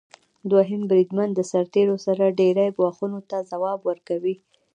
دویم بریدمن د سرتیرو سره ډیری ګواښونو ته ځواب ورکوي.